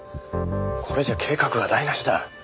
これじゃあ計画が台無しだ。